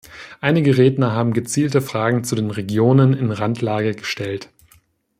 Einige Redner haben gezielte Fragen zu den Regionen in Randlage gestellt.